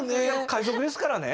海賊ですからね。